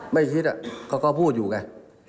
ไม่คิดเขาก็พูดอยู่ไง